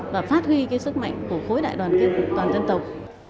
và phát huy sức mạnh của khối đại đoàn kết toàn dân tộc